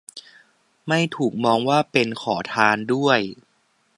ไม่ถูกมองว่าเป็นขอทานด้วย